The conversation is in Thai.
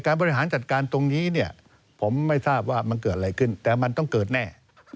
บริหารจัดการตรงนี้เนี่ยผมไม่ทราบว่ามันเกิดอะไรขึ้นแต่มันต้องเกิดแน่